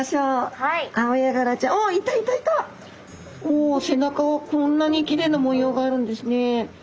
お背中はこんなにきれいな模様があるんですね。